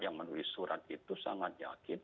yang menulis surat itu sangat yakin